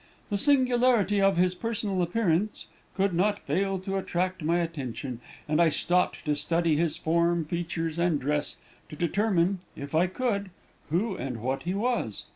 The singularity of his personal appearance could not fail to attract my attention, and I stopped to study his form, features, and dress, to determine, if I could, who and what he was.